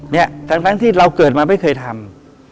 เนี่ยทั้งที่เราเกิดมาไม่เคยทำ